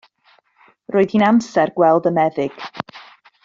Roedd hi'n amser gweld y meddyg.